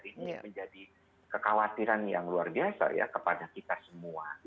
ini menjadi kekhawatiran yang luar biasa ya kepada kita semua